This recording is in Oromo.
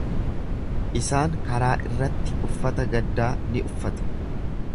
Isaan karaa irratti uffata gaddaa ni uffatu.